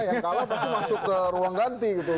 yang kalah pasti masuk ke ruang ganti gitu